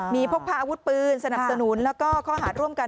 มีพกพาอาวุธปืนสนับสนุนแล้วก็ข้อหาร่วมกัน